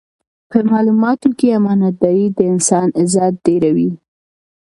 په معاملاتو کې امانتداري د انسان عزت ډېروي.